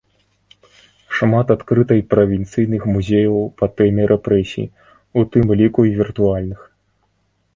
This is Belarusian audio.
Шмат адкрыта і правінцыйных музеяў па тэме рэпрэсій, у тым ліку і віртуальных.